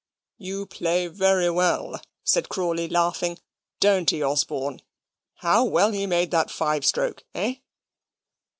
"You play very well," said Crawley, laughing. "Don't he, Osborne? How well he made that five stroke, eh?"